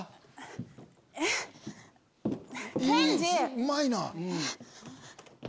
・うまいなぁ。